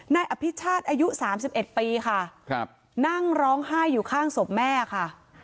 นายอภิชาติอายุ๓๑ปีค่ะครับนั่งร้องไห้อยู่ข้างศพแม่ค่ะ